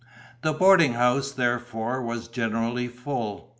The boarding house therefore was generally full.